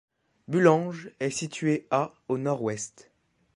Bullange est situé à au nord-ouest.